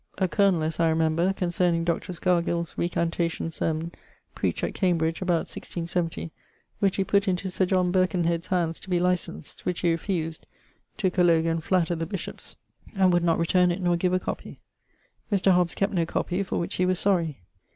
(a colonell, as I remember) concerning Dr. Scargill's recantation sermon, preached at Cambridge, about 1670, which he putt into Sir John Birkenhead's hands to be licensed, which he refused (to collogue and flatter the bishops), and would not returne it nor give a copie. Mr. Hobbes kept no copie, for which he was sorry.